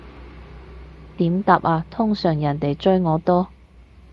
點答啊，通常人哋追我多